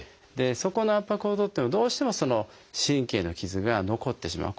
そこの圧迫を取ってもどうしてもその神経の傷が残ってしまう。